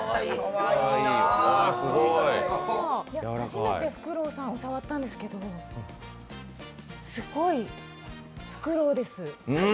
初めてフクロウさんを触ったんですけど、すごいフクロウです。